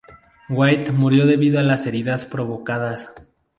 White murió debido a las heridas provocadas.